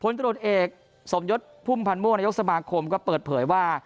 ตรวจเอกสมยศพุ่มพันธ์ม่วงนายกสมาคมก็เปิดเผยว่า